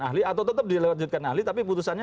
ahli atau tetap dilewatkan ahli tapi putusannya